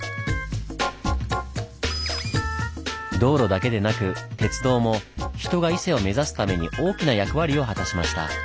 道路だけでなく鉄道も人が伊勢を目指すために大きな役割を果たしました。